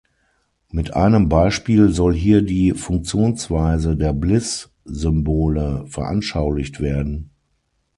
Mit einem Beispiel soll hier die Funktionsweise der Bliss-Symbole veranschaulicht werden.